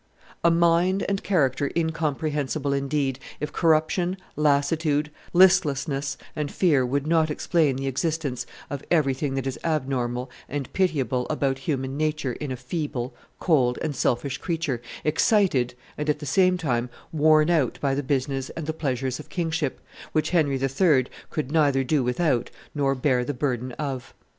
ix. p. 599.] A mind and character incomprehensible indeed, if corruption, lassitude, listlessness, and fear would not explain the existence of everything that is abnormal and pitiable about human nature in a feeble, cold, and selfish creature, excited, and at the same time worn out, by the business and the pleasures of kingship, which Henry III. could neither do without nor bear the burden of.